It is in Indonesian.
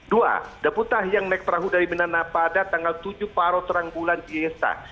dua depuntah yang naik perahu dari menana pada tanggal tujuh paro terang bulan iesta